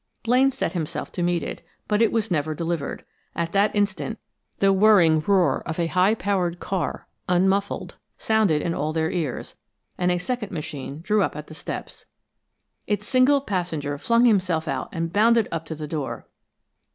Blaine set himself to meet it, but it was never delivered. At that instant the whirring roar of a high powered car, unmuffled, sounded in all their ears, and a second machine drew up at the steps. Its single passenger flung himself out and bounded up to the door.